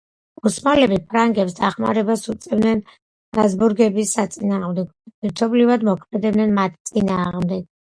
ოსმალები ფრანგებს დახმარებას უწევდნენ ჰაბსბურგების საწინააღმდეგოდ და ერთობლივად მოქმედებდნენ მათ წინააღმდეგ.